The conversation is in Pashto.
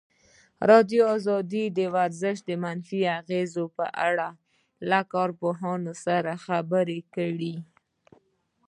ازادي راډیو د ورزش د منفي اغېزو په اړه له کارپوهانو سره خبرې کړي.